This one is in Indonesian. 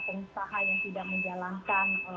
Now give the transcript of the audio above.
pengusaha yang tidak menjalankan